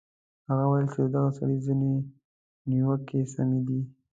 هغه ویل چې د دغه سړي ځینې نیوکې سمې دي.